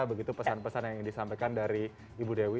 begitu pesan pesan yang disampaikan dari ibu dewi